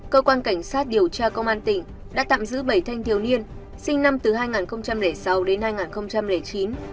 cơ quan cảnh sát điều tra công an tỉnh đã tạm giữ bảy thanh thiếu niên sinh năm hai nghìn sáu đến hai nghìn chín